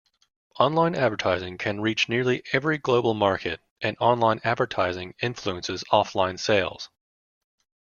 Online advertising can reach nearly every global market, and online advertising influences offline sales.